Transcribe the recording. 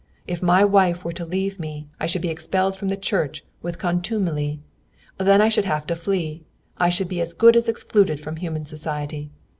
If my wife were to leave me, I should be expelled from the Church with contumely. Then I should have to flee. I should be as good as excluded from human society.